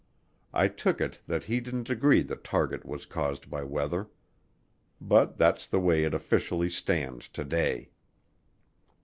... I took it that he didn't agree the target was caused by weather. But that's the way it officially stands today.